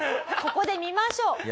ここで見ましょう。